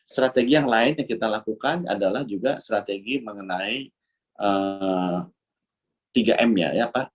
strategi yang lain yang kita lakukan adalah juga strategi mengenai tiga m ya